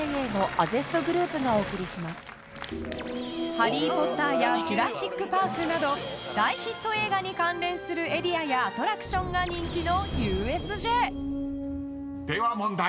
［『ハリー・ポッター』や『ジュラシック・パーク』など大ヒット映画に関連するエリアやアトラクションが人気のＵＳＪ］［では問題。